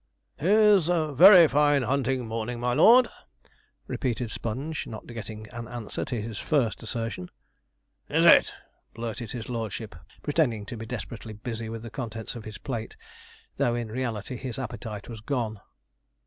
'Here's a very fine hunting morning, my lord,' repeated Sponge, not getting an answer to his first assertion. 'Is it?' blurted his lordship, pretending to be desperately busy with the contents of his plate, though in reality his appetite was gone.